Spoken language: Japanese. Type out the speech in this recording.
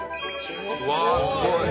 うわすごい。